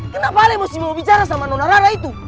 kenapa ale masih mau bicara sama nona rara itu